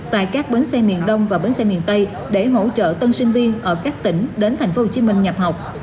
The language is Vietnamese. tại các bến xe miền đông và bến xe miền tây để hỗ trợ tân sinh viên ở các tỉnh đến tp hcm nhập học